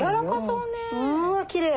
うわきれい！